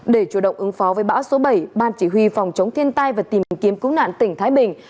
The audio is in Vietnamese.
để chủ động ứng phó với bão số bảy ban chỉ huy phòng chống thiên tai và tìm kiếm cứu nạn tỉnh thái bình